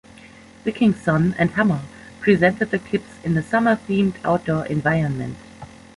Wikingsson and Hammar presented the clips in a summer-themed outdoor environment.